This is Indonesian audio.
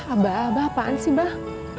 abah abah apaan sih mbak